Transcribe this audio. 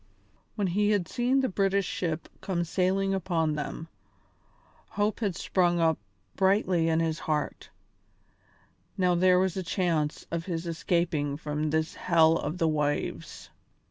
When he had seen the British ship come sailing down upon them, hope had sprung up brightly in his heart; now there was a chance of his escaping from this hell of the waves.